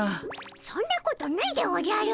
そんなことないでおじゃる。